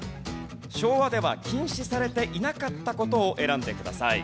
昭和では禁止されていなかった事を選んでください。